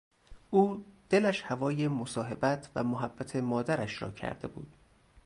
او دلش هوای مصاحبت و محبت مادرش را کرده بود.